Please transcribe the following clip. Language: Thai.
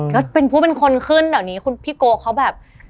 แล้วเป็นผู้เป็นคนขึ้นดังนี้พี่โกเขาแบบ